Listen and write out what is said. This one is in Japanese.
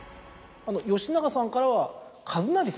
吉永さんからは。